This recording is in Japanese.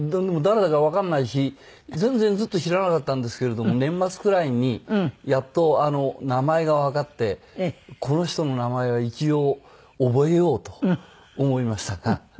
でも誰だかわかんないし全然ずっと知らなかったんですけれども年末くらいにやっと名前がわかってこの人の名前は一応覚えようと思いました。